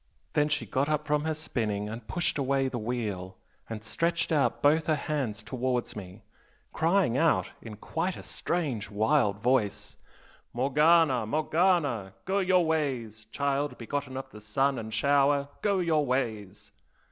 Then she got up from her spinning and pushed away the wheel, and stretched out both her hands towards me, crying out in quite a strange, wild voice 'Morgana! Morgana! Go your ways, child begotten of the sun and shower! go your ways!